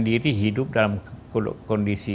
diri hidup dalam kondisi